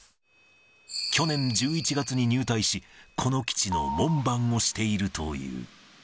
去年１１月に入隊し、この基地の門番をしているという。